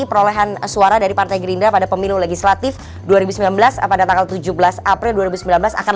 perolehan suara dari partai gerindra pada pemilu legislatif dua ribu sembilan belas pada tanggal tujuh belas april dua ribu sembilan belas akan